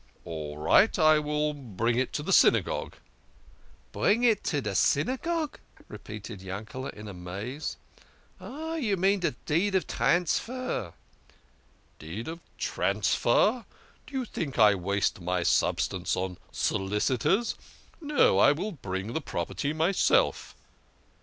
"" All right ! I will bring it to the Synagogue." " Bring it to de Synagogue !" repeated Yankele in amaze. " Oh, you mean de deed of transfer." " The deed of transfer ! Do you think I waste my sub stance on solicitors? No, I will bring the property itself."